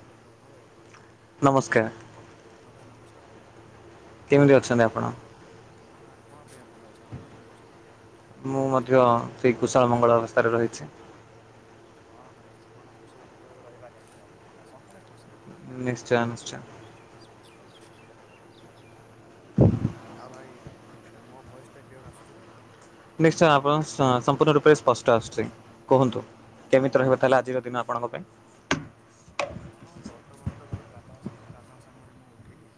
Hello ହଁ ଭାଇ ନମସ୍କାର। ହଁ ଭାଇ ନମସ୍କାର ନମସ୍କାର କେମିତି ଅଛନ୍ତି ଭାଇ ଆପଣ? ମୁଁ [unintelligible] ହଁ ଭାଇ ଭଲ ଅଛି ଆପଣ କେମିତି ଅଛନ୍ତି? ମୁଁ ମଧ୍ୟ ସେଇ କୁଶଳ ମଙ୍ଗଳ ଅବସ୍ଥାରେ ରହିଛି। ହଁ ଭାଇ ଜୀବନ କୁଶଳ ମଙ୍ଗଳରେ ରହିବା ନିହାତି ଜରୁରି କା ସବୁବେଳେ ଖୁସି ରେ ରୁହ। ସେଇଟା ତୋ ନିଶ୍ଚୟ ଜୀବନ ର ନିଶ୍ଚୟ କଣ କି? [unintelligible] [inaudible] ଆଉ ଭାଇ ମୋ ଭଏସ ଟା କ୍ଲିଅର ଆସୁଛି ତ? ନିଶ୍ଚୟ ଆପଣ ସ ସମ୍ପୂର୍ଣ୍ଣ ରୂପରେ ସ୍ପଷ୍ଟ ଆସୁଛି କହନ୍ତୁ। କେମିତି ରହିବ ତାହେଲେ ହଁ ଆଜିର ଦିନ ଆପଣଙ୍କ ପାଇଁ? ହଁ ବର୍ତ୍ତମାନ ତ ଭାଇ ପ୍ରାତଃ ପ୍ରାତଃ ସମୟରେ ମୁଁ ଉଠିଲି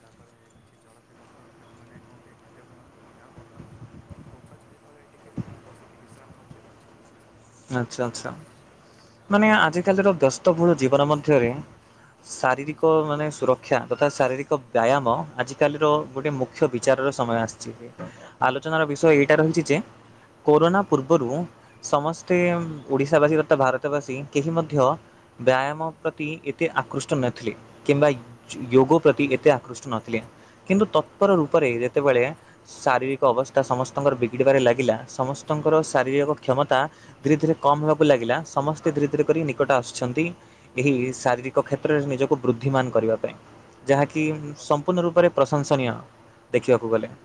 ତାପରେ କିଛି ଜଳଖିଆ ପତ୍ର ମାନେ କଣ ଟଏ ଖାଦ୍ୟ ଗ୍ରହଣ କଲି ଆଉ ବର୍ତ୍ତମାନ ଗଛ ଛାାଇ ତେଳେ ଟିକିଏ ସମୟ ବସିକି ବିଶ୍ରାମ ନେଉଛି ଆଉ ଆଚ୍ଛା ଆଚ୍ଛା ମାନେ ହଁ ଆଜିକାଲିର ବ୍ୟସ୍ତ ବହୁଳ ଜୀବନ ମଧ୍ୟରେ ହଁ ଭାଇ ଶାରୀରିକ ମାନେ ସୁରକ୍ଷା ତଥା ଶାରୀରିକ ବ୍ୟାୟାମ ଆଜିକାଲିର ହୁଁ ଗୋଟେ ମୁଖ୍ୟ ବିଚାରର ସମୟ ଆସିଛି ଆଲୋଚନାର ହଁ ବିଷୟ ଭାଇ ଏଇଟା ରହିଛି ଯେ କରୋନା ପୂର୍ବରୁ ସମସ୍ତ ଓଡିଶା ବାସୀ ତଥା ଭାରତ ବାସୀ କେହି ମଧ୍ୟ ବ୍ୟାୟାମ ପ୍ରତି ଏତେ ଆକୃଷ୍ଟ ନଥିଲେ। କିମ୍ବା ଯୋ ୟୋଗୋ ପ୍ରତି ଏତେ ଆକୃଷ୍ଟ ନଥିଲେ କିନ୍ତୁ ତତ୍ପର ସେଇଟା ତ ରୂପରେ ଭାଇ ଯେତେବେଳେ ଶାରୀରିକ ଅବସ୍ଥା ସମସ୍ତଙ୍କର ବିଗିଡିବାରେ ଲାଗିଲା ସମସ୍ତଙ୍କର ଏ ଶାରୀରିକ କ୍ଷମତା ଧୀରେ ଧୀରେ କମ୍ ହେବାକୁ ଲାଗିଲା ସମସ୍ତେ ଧୀରେ ଧୀରେ କରି ନିକଟ ଆସୁଛନ୍ତି ଏହି ଶାରୀରିକ କ୍ଷେତ୍ରରେ ନିଜକୁ ବୃଦ୍ଧିମାନ କରିବା ପାଇଁ ଯାହାକି କଥା କହିଲା ସମ୍ପୂର୍ଣ୍ଣ ରୂପରେ ପ୍ରଶଂସନୀୟ ଦେଖିବାକୁ ଗଲେ।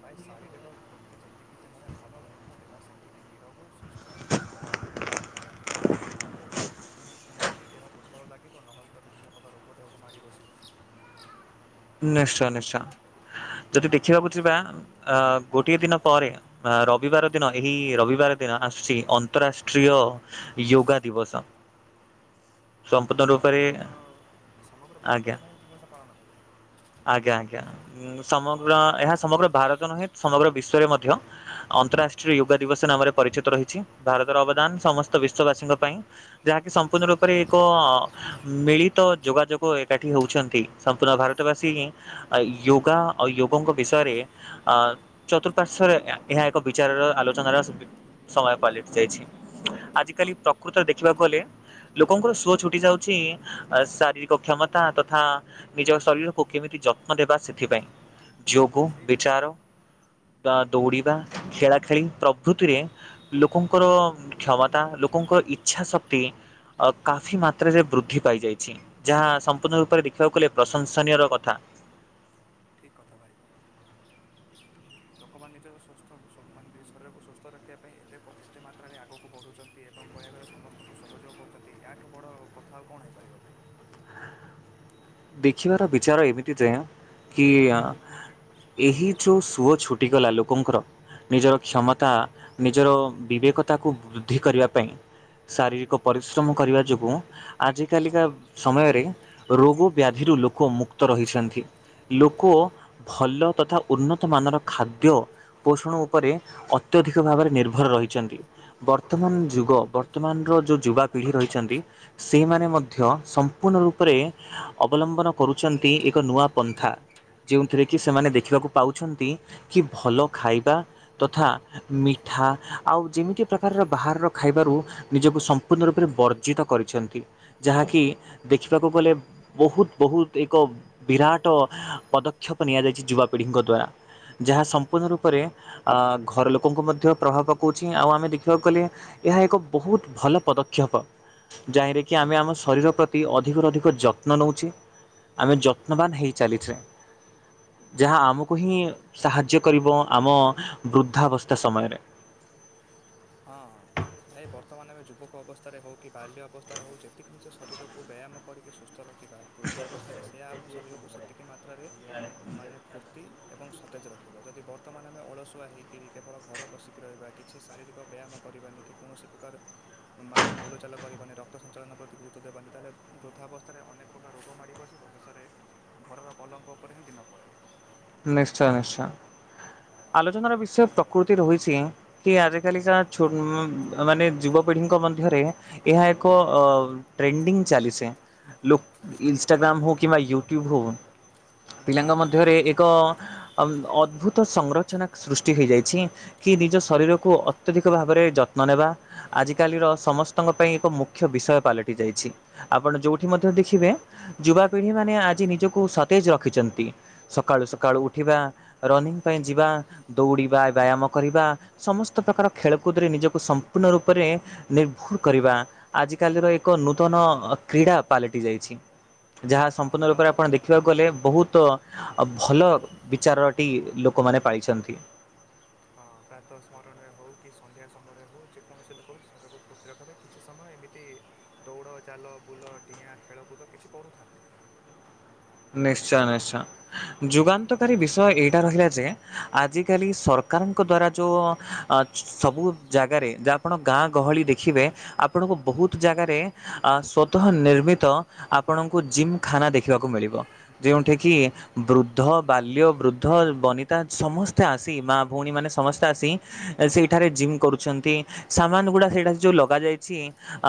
ଭାଇ ଶରୀରିକ ଫୁର୍ତ୍ତି ଯେତେ ଯେତିକି ଦେହରେ ଭଲ ରହିବ ଦେହ ସେତିକି ନିରୋଗ ସୁସ୍ଥ ତ ଏବଂ କହିବା ଗଲେ କଣ କି ଫୁର୍ତ୍ତିଟା ରହିବ ନହେଲେ ନିହାତି ଦେହ ଦୁର୍ବଳ ଲାଗିବ ନହେଲେ ତ ବିଭିନ୍ନ ପ୍ରକାର ରୋଗ ଦେହକୁ ମାଡ଼ି ବସିବ ନିଶ୍ଚୟ ନିଶ୍ଚୟ ଯଦି ଆଉ ଭାଇ ଦେଖ ଦେଖିବାକୁ ଯିବା ଏପଟ ଆ ହଁ ଗୋଟିଏ ଭାଇ ଦିନ ପରେ ରବିବାର ଦିନ ଏହି ରବି ବାର ଦିନ ଆସୁଛି ଅନ୍ତରାଷ୍ଟ୍ରୀୟ ୟୋଗା ଦିବସ। ଓହୋ ସମ୍ପୂର୍ଣ୍ଣ ସାର ରୂପରେ ସମଗ୍ର ସମଗ୍ର ଆଜ୍ଞା। ଭାରତରେ ଭାଇ ଏ ଦିବସ ପାଳନ ହେବ। ଆଜ୍ଞା ଆଜ୍ଞା ଉ ହଁ ସମଗ୍ର ଭାଇ ଏଠି ଏହା ସମଗ୍ର ଭାରତ ନୁହେଁ ସମଗ୍ର ବିଶ୍ୱ ରେ ମଧ୍ୟ ହଁ ଅନ୍ତରାଷ୍ଟ୍ରୀୟ ୟୋଗା ଦିବସ ନାମରେ ପରିଚିତ ରହିଛି ଭାରତର ଅବଦାନ ସମସ୍ତ ବିଶ୍ଵବାସୀଙ୍କ ପାଇଁ ଯାହାକି ସମ୍ପୂର୍ଣ୍ଣ ରୂପରେ ଏକ ମିଳିତ ଯୋଗାଯୋଗ ଏକାଠି ହଉଛନ୍ତି ସମ୍ପୂର୍ଣ୍ଣ ଭାରତ [unintelligible] ବାସୀ ୟୋଗା ଆଉ ୟୋଗୋ ଙ୍କ ବିଷୟରେ ଅ ଚତୁଃପାର୍ଶ୍ଵରେ ଏହା ଏକ ବିଚାରର ଆଲୋଚନାର ସମ ସମୟ ପାଲଟି ଯାଇଛି। ହଁ ଆଜିକାଲି ଭାଇ ପ୍ରକୃତରେ ଦେଖିବାକୁ [unintelligible] କଲେ ଲୋକଙ୍କର ସୁଅ ଛୁଟି ଯାଉଛି ଶାରୀରିକ କ୍ଷମତା ତଥା ନିଜ ଶରୀର ଓ କେମିତି ଯତ୍ନ ଦେବା ସେଥିପାଇଁ ଯୋଗ ସେଇଥିପାଇଁ ବିଚାର୍ ତ ବା ହୁଁ ଦୌଡ଼ିବା ଖେଳା ଖେଳି ପ୍ରଭୃତିରେ ଲୋକଙ୍କର କ୍ଷମତା ଲୋକଙ୍କର ଇଚ୍ଛା ଶକ୍ତି କାଫି ମାତ୍ରାରେ ବୃଦ୍ଧି ପାଇଯାଇଛି ଯାହା ସମ୍ପୂର୍ଣ୍ଣ ରୂପରେ ଦେଖିବାକୁ ଗଲେ ପ୍ରଶଂସନୀୟର କଥା [inaudible] ଠିକ କଥା ଭାଇ କହିଲ ଲୋକମାନେ ନିଜ ସ୍ଵସ୍ଥ ସ ମାନେ ଶରୀରକୁ ସୁସ୍ଥ ରଖିବା ପାଇଁ ଏତେ ପ ଏତେ ମାତ୍ରାରେ ଆଗକୁ ବଢ଼ୁଛନ୍ତି ଏବଂ କହିଆକୁ ଗଲେ ସମସ୍ତଙ୍କୁ ସହଯୋଗ କରୁଛନ୍ତି ୟାଠୁ ବଡ଼ ଆଉ କଥା ଆଉ କଣ ହେଇପାରିବ ଭାଇ। ଦେଖିବାର ବିଚାର ଏମିତି ଯାଆ କିଏ ହୁଁ ଆ ଏହି ଯୋଉ ସୁଅ ଛୁଟିଗଲା ଲୋକଙ୍କର ନିଜର ହୁଁ କ୍ଷମତା ନିଜର ବିବେକତାକୁ ବୃଦ୍ଧି କରିବା ପାଇଁ ହୁଁ। ହଁ ଶାରୀରିକ ପରିଶ୍ରମ କରିବା ଯୋଗୁଁ ଆଜିକାଲିକା ଭାଇ। ସମୟରେ ରୋଗୋ ବ୍ୟାଧିରୁ ଲୋକ ମୁକ୍ତ ରହିଛନ୍ତି ଲୋକ ଭଲ ତଥା ଉନ୍ନତମାନର ଖାଦ୍ୟ ପୋଷଣ ଉପରେ ଅତ୍ୟଧିକ ଭାବରେ ନିର୍ଭର ରହିଛନ୍ତି ବର୍ତ୍ତମାନ ଯୁଗ ବର୍ତ୍ତମାନର ଯେଉଁ ଯୁବାପିଢ଼ି ରହିଛନ୍ତି ସେଇମାନେ ମଧ୍ୟ ସମ୍ପୂର୍ଣ୍ଣ ରୂପରେ ଅବଲମ୍ବନ କରୁଚନ୍ତି ଏକ ନୂଆ ପନ୍ଥା ଯେଉଁଥିରେ କିି ସେମାନେ ଦେଖିବାକୁ ପାଉଛନ୍ତି କି ଭଲ ଖାଇବା ତଥା ମିଠା ଆଉ ଯେମିତି ପ୍ରକାରର ବାହାରର ଖାଇବାରୁ ନିଜକୁ ସମ୍ପୂର୍ଣ୍ଣ ରୂପରେ ବର୍ଜିତ କରିଚନ୍ତି ଯାହାକି ଦେଖିବାକୁ ଗଲେ ବହୁତ ବହୁତ ଏକ ବିରାଟ ପଦକ୍ଷେପ ନିଆଯାଇଛି ଯୁବାପିଢ଼ିଙ୍କ ଦ୍ୱାରା ଯାହା ସମ୍ପୂର୍ଣ୍ଣ ରୂପରେ ଘର ଲୋକଙ୍କୁ ମଧ୍ୟ ପ୍ରଭାବ ପକାଉଛି ଆଉ ଆମେ ଦେଖିବାକୁ ଗଲେ ଏହା ଏକ ବହୁତ ଭଲ ପଦକ୍ଷେପ ଯାହିଁରେକି ଆମେ ଆମ ଶରୀର ପ୍ରତି ଅଧିକରୁ ଅଧିକ ଯ ତ୍ନ ନଉଛି। ଆମେ ଯତ୍ନବାନ ହେଇ ଚାଲି ଚ ଯାହା ଆମକୁ ହିଁ ସାହାଯ୍ୟ କରିବ ଆମ ବୃଦ୍ଧାବସ୍ଥା ସମୟରେ। ହଁ ଭାଇ ବର୍ତ୍ତମାନ ଆମେ ଯୁବକ ଅବସ୍ଥାରେ ହଉ କି ବାଲ୍ୟ ଅବସ୍ଥାରେ ହଉ ଯେତିକି ନିିଜ ଶରୀରକୁ ବ୍ୟାୟାମ କରିକି ସୁ ସ୍ଥ ରଖିବା ବୃଦ୍ଧାବସ୍ଥାରେ ସେଆ ଆମ ଶରୀର କୁ ସେତିକି ମାତ୍ରାରେ ମାନେ ଫୁର୍ତ୍ତି ଏବଂ ସତେଜ ରଖିବ ଯଦି ବର୍ତ୍ତମାନ ଆମେ ଅଳସୁଆ ହେଇକିରି କେବଳ ଘରେ ବସିକି ରହିବା କିଛି ଶାରୀରି କ ବ୍ୟାୟାମ କରିବାନି କି କୌଣସି ପ୍ରକାର ମାନେ ବୁଲାଚାଲ କରିବାନି ରକ୍ତ ସଞ୍ଚାଳନ ପ୍ରତି ଗୁରୁତ୍ୱ ଦେବାନି ତାହେଲେ ବୃଦ୍ଧାବସ୍ଥାରେ ଅନେକ ପ୍ରକାର ରୋଗ ମାଡ଼ି ବସିବ ଶେଷରେ ଘରର ପଲଙ୍କ ଉପରେ ହିଁ ଦିନ ପଳେଇବ। ନିଶ୍ଚୟ ନିଶ୍ଚୟ ଆଲୋଚନାର ବିଷୟ ମା ପ୍ରକୃତି ର ହୋଇଛି କି ହୁଁ ଆଜିକାଲିିକା ଛୋ ମାନେ ଯୁବପିଢ଼ିଙ୍କ ମଧ୍ୟରେ ଏହା ଏକ ଅ ଟ୍ରେଣ୍ଡିଙ୍ଗ ଚାଲିସେ ଲୋ ଇନଷ୍ଟାଗ୍ରାମ ହଉ କିମ୍ବା ୟୁ ଟ୍ୟୁବ୍ ହଉ ହଁ ହଁ ପିଲାଙ୍କ ଭାଇ ଠିକ୍ ମଧ୍ୟରେ କଥା ଏ ଅଁ ଅଁ ଅଦ୍ଭୁତ ସଂଗ୍ରଚନା ସୃଷ୍ଟି ହେଇଯାଇଛି କି ନିଜ ଶରୀରକୁ ଅତ୍ୟଧିକ ଭାବରେ ଯତ୍ନ ନେବା ଆଜିକାଲିର ସମସ୍ତଙ୍କ ପାଇଁ ଏକ ମୁଖ୍ୟ ବିଷୟ ପାଲଟି ଯାଇଛି ଆପଣ ଯୋଉଠି ମଧ୍ୟ ଦେଖିବେ ଯୁବାପିଢି ମାନେ ହଁ ଆଜି ନିଜକୁ ସତେଜ ର ଖିଚନ୍ତି ସକାଳୁ ସକାଳୁ ଉଠିବା ରନିଙ୍ଗ ପାଇଁ ଯିବା ଦୌଡ଼ିବା ବ୍ୟାୟାମ କରିବା ସମସ୍ତ ପ୍ରକାର ଖେଳକୁଦରେ ନିଜକୁ ସମ୍ପୂର୍ଣ୍ଣ ରୂପରେ ନିର୍ଭୁର କରିବା ଆଜିକାଲିର ଏକ ନୂତନ କ୍ରୀଡ଼ା ପାଲଟି ଯାଇଛି। ଯାହା ହଁ ସମ୍ପୂର୍ଣ ରୂପରେ ଆପଣ ଦେ ଆଉ ଖିବାକୁ ଗଲେ ବହୁତ ଭଲ ବିଚାରଟି ଲୋକମାନେ ପାଇଛନ୍ତି। ହଁ ପ୍ରାତ ସ୍ମରଣରେ ହଉ କି ସନ୍ଧ୍ୟା ସମୟରେ ହଉ ଯେକୌଣସି ଲୋକ ବି ଶରିରକୁ ଫୁର୍ତ୍ତି ରଖିବା ପାଇଁ କିଛି ସମୟ ଏମିତି ଦୌଡ଼ ଚାଲ ବୁଲ ଡିଆଁ ଖେଳକୁଦ କିଛି କରୁଥାନ୍ତି। ନିଶ୍ଚୟ ନିଶ୍ଚୟ ହଁ ଭାଇ। ଯୁଗାନ୍ତକାରୀ ବିଷୟ ଏଇଟା ରହିଲା ଯେ ଆଜିକାଲି ସରକାରଙ୍କ ଦ୍ୱାରା ଯଉ ସବୁ ଜାଗାରେ ଯେ ଆପଣ ଗାଁ ଗହଳି ଦେଖିବେ ଆପଣଙ୍କୁ ହୁଁ। ବହୁତ ଜାଗାରେ ଆ ସ୍ୱତଃ ନିର୍ମିତ ଆପଣଙ୍କୁ ଜିମଖାନା ଦେଖିବାକୁ ମିଳିବ। ଯେଉଁଠି କିି ବୃଦ୍ଧ ବାଲ୍ୟ ବୃଦ୍ଧ ବନିତା ସମସ୍ତେ ଆସି ମା ଭଉଣୀ ମାନେ ସମସ୍ତେ ଆସି ସେଇଠାରେ ଜିମ୍ କରୁଛନ୍ତି ସାମାନ ଗୁଡା ସେଇଠା ଯୋଉ ଲଗାଯାଇଛି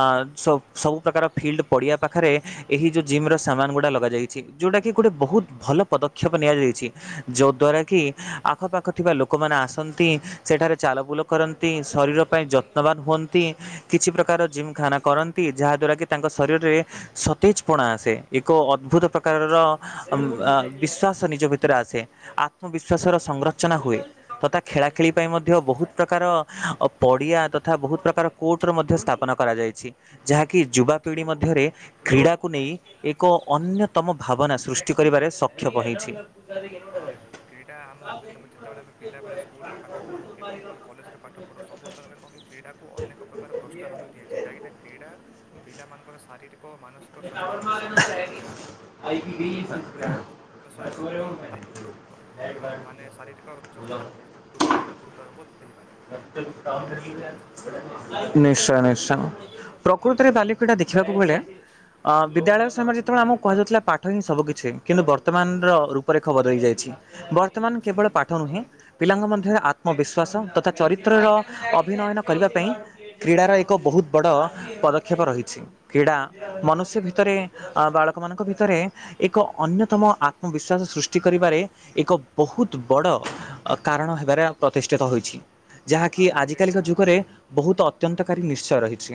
ଆ ସ ସବୁ ପ୍ରକାର ଫିଲ୍ଡ ପଡିିବା ପାଖରେ ଏହି ଯୋଉ ଜିମ ର ସାମାନ ଗୁଡା ଲଗାଯାଇଛି। ଯୋଉଟାକି ଗୋଟେ ବହୁତ ଭଲ ପଦକ୍ଷେପ ନିଆଯାଇଛି ଯଦ୍ଵାରା କି ଆଖପାଖ ଥିବା ଲୋକମାନେ ଆସନ୍ତି ସେଠାରେ ଚାଲ ବୁଲ କରନ୍ତି ଶରୀର ପାଇଁ ଯତ୍ନବାନ ହୁଅନ୍ତି କିଛି ପ୍ରକାର ଜିମଖାନା କରନ୍ତି ଯାହାଦ୍ୱାରା କିି ତାଙ୍କ ଶରୀରରେ ସତେଜ ପଣା ଆସେ ଏକ ଅଦ୍ଭୁତ ପ୍ର ପ୍ରକାରର ବିଶ୍ୱସ ନିଜ ଭିତରେ ଆସେ ଆତ୍ମବିଶ୍ୱାସର ସଂରଚନା ହୁଏ ତଥା ଖେଳାଖେଳି ପାଇଁ ମଧ୍ୟ ବହୁତ ପ୍ରକାର ପଡ଼ିଆ ତଥା ବହୁତ ପ୍ରକାର କୋର୍ଟର ମଧ୍ୟ ସ୍ଥାପନ କରାଯାଇଛି ଯାହାକି ଯୁବାପିଢ଼ି ମଧ୍ୟରେ କ୍ରୀଡ଼ାକୁ ନେଇ ଏକ ଅନ୍ୟ ଉତ୍ତମ ଭାବନା ସୃଷ୍ଟି କରିବାରେ ସକ୍ଷମ ହୋଇଛି। [inaudible] ପିଲାମାନଙ୍କର ଶାରୀରିକ [inaudible] [inaudible] ଓ ମାନସିକ ସ୍ୱାସ୍ଥ୍ୟକୁ ସତେଜ ରଖେ ଯାହାଦ୍ୱାରା ସହିତ ମାନେ ଶାରୀରିକ ସୁସ୍ଥତା ଗୁରୁତ୍ୱ ଦେଇପାରେ ନିଶ୍ଚୟ ନିଶ୍ଚୟ ପ୍ରକୃତରେ ବାଲି ଏଟା ଦେଖିବାକୁ ହଁ। ମିଳେ। ଅ ବିଦ୍ୟାଳୟ ସମୟରେ ଯେତେବେଳେ ହୁଁ ଆମକୁ କୁହାଯାଉଥିଲା ପାଠ ହଁ ସବୁ କିଛି କିନ୍ତୁ ବର୍ତ୍ତମାନର ରୂପରେଖ ବଦଳି ଯାଇଛି। ବର୍ତ୍ତମାନ ହୁଁ। କେବଳ ପାଠ ନୁହେଁ ପିଲାଙ୍କ ମଧ୍ୟରେ ଆତ୍ମବିଶ୍ୱାସ ତଥା ଚରିତ୍ରର ଅଭିନୟନ କରିବା ପାଇଁ କ୍ରୀଡ଼ାର ଏକ ବହୁତ ବଡ଼ ପଦକ୍ଷେପ ରହିଛି କ୍ରୀଡ଼ା ମନ ସେ ଭିତରେ ବାଳକ ମାନଙ୍କ ଭିତରେ ଏକ ଅନ୍ୟତମ ଆତ୍ମବିଶ୍ଵାସ ସୃଷ୍ଟି କରିବାରେ ଏକ ବହୁତ ବଡ କାରଣ ହେବାରେ ପ୍ରତିଷ୍ଠିତ ହୋଇଛି। ଯାହାକି ଆଉ ଭାଇ କ୍ରୀଡ଼ା ଆଜିକାଲିକା ଯୁଗରେ ବହୁତ ଅତ୍ୟନ୍ତକାରୀ ନିଶ୍ଚୟ ରହିଛି।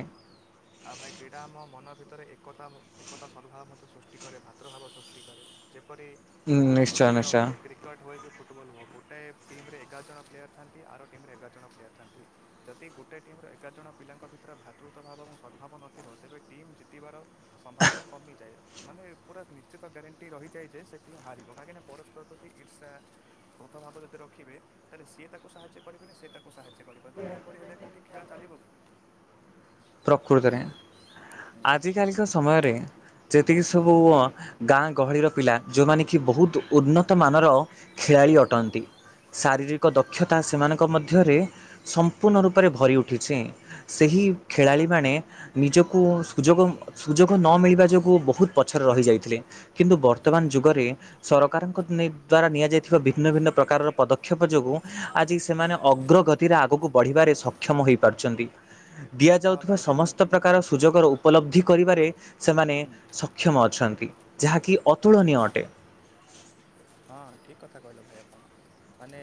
ଆଉ ଭାଇ କ୍ରୀଡ଼ା ଆମ ମନ ଭିତରେ ଏକତା ଏକତା ସଦ୍ଭାବ ମଧ୍ୟ ସୃଷ୍ଟି କରେ ଭ୍ରାତୃଭାବ ସୃଷ୍ଟି କରେ ଯେ ପରି ଉଁ କୌଣସି ଏକ ନିଶ୍ଚୟ ଖେଳ ନିଶ୍ଚୟ ହୁଏ କ୍ରିକେଟ ହୁଏ କି ଫୁଟବଲ ହୁଏ ଗୋଟେଏ ଟିମ ରେ ଏଗାର ଜଣ ପ୍ଲେୟାର ଥାନ୍ତି ଆର ଟିମ୍ରେ ଏଗାର ଜଣ ପ୍ଲେୟାର୍ ଥାନ୍ତି ଯଦି ଗୋଟେ ଟିମ୍ର ଏଗାର ଜଣ ପିଲାଙ୍କ ଭିତରେ ଭାତୃତ ଭାବ ଏବଂ [inaudible] ପ୍ରକୃତରେ ଆଜିକାଲିକ ସମୟରେ ଯେତିକି ସବୁ ଗାଁ ଗହଳିର ପିଲା ଯେଉଁମାନେ କି ବହୁତ ଉନ୍ନତମାନର ଖେଳାଳି ଅଟନ୍ତି ଶାରୀରିକ ଦକ୍ଷତା ସେମାନଙ୍କ ମଧ୍ୟରେ ସମ୍ପୂର୍ଣ୍ଣ ରୂପରେ ଭରି ଉଠିଛେ ସେହି ଖେଳାଳିମାନେ ନିଜକୁ ସୁଯୋଗ ସୁଯୋଗ ନ ମିଳିବା ଯୋଗୁଁ ବହୁତ ପଛରେ ରହିଯାଇଥିଲେ କିନ୍ତୁ ବର୍ତ୍ତମାନ ଯୁଗରେ ସରକାରଙ୍କ ଦ୍ଵାରା ନିଆଯାଇଥିବା ଭିନ୍ନ ଭିନ୍ନ ପ୍ରକାରର ପଦକ୍ଷେପ ଯୋଗୁଁ ଆଜି ସେମାନେ ଅଗ୍ରଗତିରେ ଆଗକୁ ବଢ଼ିବାରେ ସକ୍ଷମ ହୋଇପାରୁଛନ୍ତି। ହଁ ଦିଆଯାଉଥିବା ଭାଇ ସମସ୍ତ ଯେପରି ପ୍ରକାର ସୁଯୋଗର ଉପଲବ୍ଧି କରିବାରେ ସେମାନେ ହୁଁ, ସକ୍ଷମ ଅଛନ୍ତି। ଯାହାକି ହଁ ଅତୁଳନୀୟ ଅଟେ। ହଁ ଠିକ କଥା କହିଲୁ ଭାଇ ଆପଣ? ମାନେ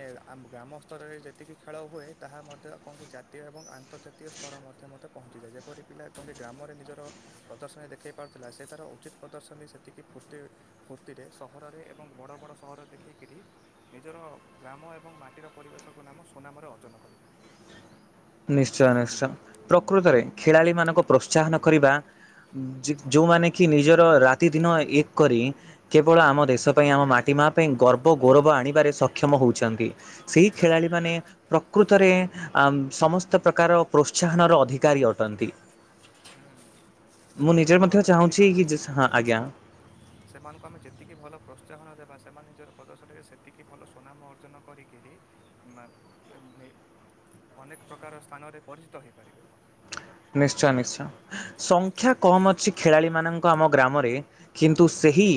ଗ୍ରାମ ସ୍ତରରେ ଯେତିକି ଖେଳ ହୁଏ ତାହା ମଧ୍ୟ କେଉଁଠି ଜାତୀୟ ଏବଂ ଆନ୍ତର୍ଜାତୀୟ ସ୍ତର ମଧ୍ୟ ପହଞ୍ଚିଯାଏ ଯେପରି ପିଲା କେଉଁଠି ଗ୍ରାମରେ ନିଜର ପ୍ରଦର୍ଶନୀ ଦେଖାଇ ପାରୁଥିଲା ସେଠାର ଉଚିତ୍ ପ୍ରଦର୍ଶନୀ ସେତିକି ଫୁର୍ତ୍ତି ଫୁର୍ତ୍ତିରେ ସହରରେ ଏବଂ ବଡ଼ ବଡ଼ ସହର ଦେଖିକରି ନିଜର ଗ୍ରାମ ଏବଂ ମାଟିର ପରିବେଶକୁ ନାମ ସୁନାମରେ ଅର୍ଜନ କରିପାରିବ। ନିଶ୍ଚୟ ନିଶ୍ଚୟ ପ୍ରକୃତରେ ଖେଳାଳିମାନଙ୍କୁ ହୁଁ, ପ୍ରୋତ୍ସାହନ କରିବା ଯେଉଁମାନେ କି ନିଜର ରାତିଦିନ ଏକ କରି କେବଳ ଆମ ଦେଶ ପାଇଁ ଆମ ମାଟି ମା ପାଇଁ ଗର୍ବ ଗୌରବ ଆଣିବାରେ ସକ୍ଷମ ହେଉଛନ୍ତି ସେହି ହୁଁ, ଖେଳାଳିମାନେ ପ୍ରକୃତରେ ସମସ୍ତ ପ୍ରକାର ପ୍ରୋତ୍ସାହନର ଅଧିକାରୀ ଅଟନ୍ତି। ହୁଁ। ମୁଁ ନିଜେ ତାଙ୍କୁ ମଧ୍ୟ ଆମେ ଚାହୁଁଛି ଯେତିକି କି ଯେ- ହଁ ଆଜ୍ଞା। ସେମାନଙ୍କୁ ଆମେ ଯେତିକି ଭଲ ପ୍ରୋତ୍ସାହନ ଦେବା ସେମାନେ ନିଜର ପ୍ରଦର୍ଶନୀରେ ସେତିକି ଭଲ ସୁନାମ ଅର୍ଜନ କରିକିରି ଅନେକ ପ୍ରକାର ସ୍ଥାନରେ ପରିଚିତ ହୋଇପାରିବେ। ନିଶ୍ଚୟ ନିଶ୍ଚୟ ସଂଖ୍ୟା କମ ଅଛି ଖେଳାଳି ମାନଙ୍କ ଆମ ଗ୍ରାମରେ କିନ୍ତୁ ସେହି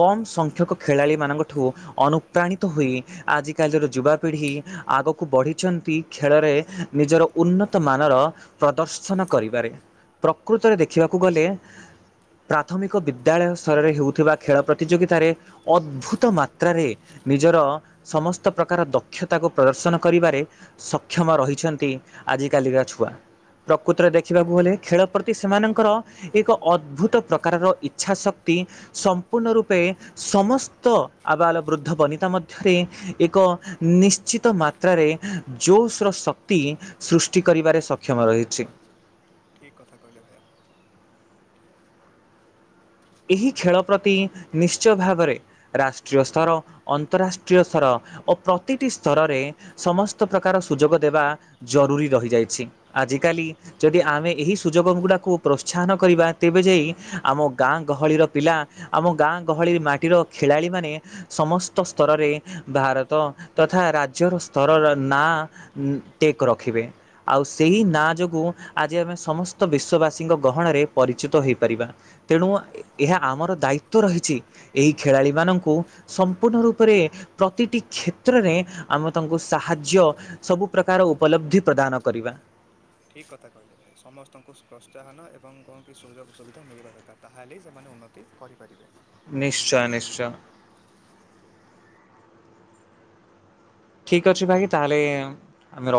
କମ ସଂଖ୍ୟକ ଖେଳାଳି ମଙ୍କଠୁ ଅନୁପ୍ରାଣିତ ହୋଇ ଆଜିକାଲିର ଯୁବାପିଢ଼ି ଆଗକୁ ବଢ଼ିଛନ୍ତି ଖେଳରେ ନିଜର ଉନ୍ନତ ମାନର ପ୍ରଦର୍ଶନ ଦଶନ କରିବାରେ ପ୍ରକୃତରେ ଦେଖିବାକୁ ଗଲେ ପ୍ରାଥମିକ ବିଦ୍ୟାଳୟ ସ୍ତରରେ ହେଉଥିବା ଖେଳ ପ୍ରତିଯୋଗିତାରେ ଅଦ୍ଭୁତ ମାତ୍ରାରେ ନିଜର ସମସ୍ତ ପ୍ରକାର ଦକ୍ଷତାକୁ ପ୍ରଦର୍ଶନ କରିବାରେ ସକ୍ଷମ ରହିଛନ୍ତି ଆଜିକାଲିକା ଛୁଆ ପ୍ରକୃତରେ ଦେଖିବାକୁ ଗଲେ ଖେଳ ପ୍ରତି ସେମାନଙ୍କର ଏକ ଅଦ୍ଭୁତ ପ୍ରକାରର ଇଚ୍ଛା ଶକ୍ତି ସମ୍ପୂର୍ଣ୍ଣ ରୂପେ ସମସ୍ତ ଆବାଳ ବୃଦ୍ଧ ବନିତା ମଧ୍ୟରେ ଏକ ନିଶ୍ଚିତ ମାତ୍ରାରେ ଜୋସ୍ର ଶକ୍ତି ସୃଷ୍ଟି କରିବାରେ ସକ୍ଷମ ରହି ପଛି [unintelligible] ଠିକ୍ କଥା କହିଲେ ଭାଇ ଆପଣ? ଏହି ଖେଳ ପ୍ରତି ନିଶ୍ଚୟ ଭାବରେ ରାଷ୍ଟ୍ରୀୟ ସ୍ତର ଅନ୍ତରାଷ୍ଟ୍ରୀୟ ସ୍ତର ଓ ପ୍ରତିଟି ସ୍ତରରେ ସମସ୍ତ ପ୍ରକାର ସୁଯୋଗ ଦେବା ଜରୁରୀ ରହିଯାଇଛି ଆଜିକାଲି ଯଦି ଆମେ ଏହି ସୁଯୋଗ ଗୁଡ଼ାକୁ ପ୍ରୋତ୍ସାହନ କରିବା ତେବେ ଯାଇ ଆମ ଗାଁ ଗହଳିର ପିଲା ଆମ ଗାଁ ଗହଳି ମାଟିର ଖେଳାଳିମାନେ ସମସ୍ତ ସ୍ତରରେ ଭାରତ ତଥା ରାଜ୍ୟର ସ୍ତରର ନାଁ ଟେକ୍ ରଖିବେ। ଆଉ ସେଇ ନାଁ ଠିକ୍- ଯୋଗୁ ଆଜି ଆମେ ସମସ୍ତ ବିଶ୍ୱ ବାସୀଙ୍କ ଗହଣରେ ପରିଚିତ ହେଇପାରିବା। ତେଣୁ ଏହା ଆମର ଦାୟିତଵ ରହିଛି ଏହି ଖେଳାଳିମାନଙ୍କୁ ସମ୍ପୂର୍ଣ୍ଣ ରୂପରେ ପ୍ରତିଟି କ୍ଷେତ୍ରରେ ଆମେ ତାଙ୍କୁ ସାହାଯ୍ୟ ସବୁ ପ୍ରକାର ଉପଲବ୍ଧି ପ୍ରଦାନ କରିବା। ଠିକ୍ କଥା କହିଲେ ଭାଇ ସମସ୍ତଙ୍କୁ ପ୍ରୋତ୍ସାହନ ଏବଂ କଣ କି ସୁଯୋଗ ସୁବିଧା ମିଳିବା ଦରକାର ତାହେଲେ ସେମାନେ ଉନ୍ନତି କରିପାରିବେ। ନିଶ୍ଚୟ ନିଶ୍ଚୟ। ଠିକ ଅଛି ଭାଇ ତାହେଲେ ଆମେ ର